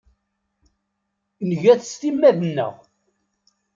Nga-t s timmad-nneɣ.